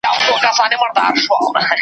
لوی افسر ته یې په سرو سترګو ژړله .